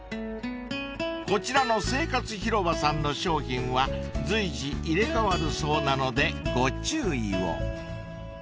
［こちらの生活広場さんの商品は随時入れ替わるそうなのでご注意を］